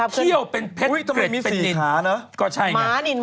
เที่ยวเป็นเพชรเกร็ดเป็นนิน